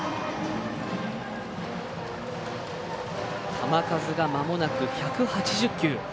球数がまもなく１８０球。